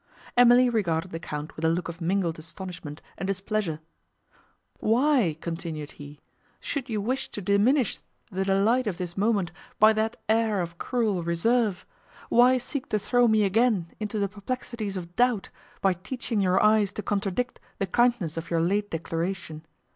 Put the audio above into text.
Emily regarded the Count with a look of mingled astonishment and displeasure. "Why," continued he, "should you wish to diminish the delight of this moment by that air of cruel reserve?—Why seek to throw me again into the perplexities of doubt, by teaching your eyes to contradict the kindness of your late declaration?